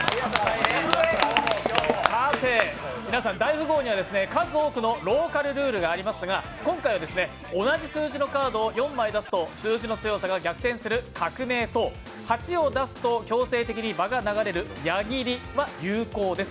さて、皆さん大富豪には数多くのローカルルールがありますが、今回は同じ数字のカードを４枚出すと数字の強さが逆転する革命と８を出すと強制的に場が流れる８切りは有効です。